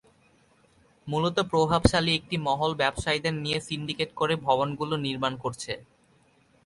মূলত প্রভাবশালী একটি মহল ব্যবসায়ীদের নিয়ে সিন্ডিকেট করে ভবনগুলো নির্মাণ করছে।